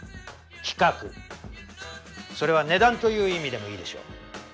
規格それは値段という意味でもいいでしょう。